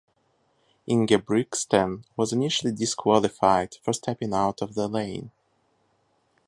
Ingebrigtsen was initially disqualified for stepping out of the lane.